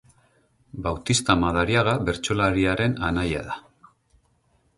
Bautista Madariaga bertsolariaren anaia da.